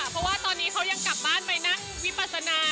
เพราะว่าตอนนี้เขายังกลับบ้านไปนั่งวิปัสนา